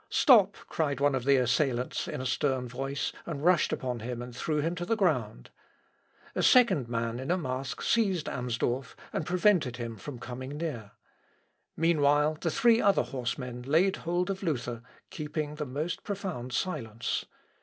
"Stop!" cried one of the assailants in a stern voice, and rushing upon him threw him to the ground. A second man in a mask seized Amsdorff, and prevented him from coming near. Meanwhile the three other horsemen laid hold of Luther, keeping the most profound silence.